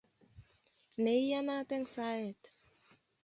Ne iyanat eng saet